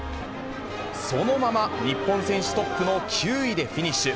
そのまま日本選手トップの９位でフィニッシュ。